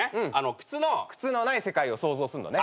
靴のない世界を想像すんのね。